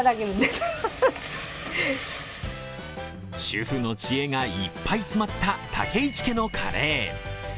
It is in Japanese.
主婦の知恵がいっぱい詰まった武市家のカレー。